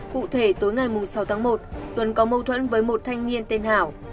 cụ thể tối ngày sáu tháng một tuấn có mâu thuẫn với một thanh niên tên hảo